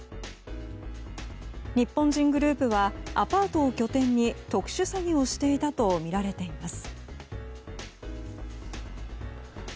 日本人グループはアパートを拠点に特殊詐欺をしていたとみられています。